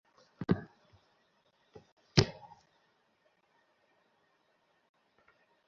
আমার কাছ থেকে বড় কিছু আশা করছেন।